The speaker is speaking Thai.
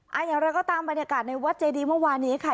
อย่างไรก็ตามบรรยากาศในวัดเจดีเมื่อวานนี้ค่ะ